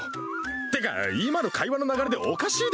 ってか今の会話の流れでおかしいだろ。